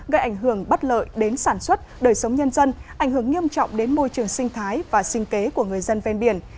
gây ảnh hưởng bất lợi đến sản xuất đời sống nhân dân ảnh hưởng nghiêm trọng đến môi trường sinh thái và sinh kế của người dân ven biển